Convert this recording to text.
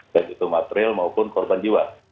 begitu material maupun korban jiwa